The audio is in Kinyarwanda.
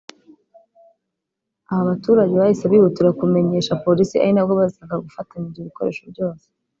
aba baturage bahise bihutira kumenyesha Polisi ari nabwo bazaga gufatanywa ibyo bikoresho byose